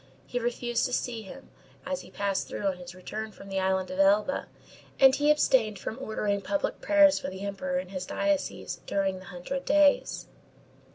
He refused to see him, as he passed through on his return from the island of Elba, and he abstained from ordering public prayers for the Emperor in his diocese during the Hundred Days.